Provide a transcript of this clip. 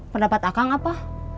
pendapat akang apa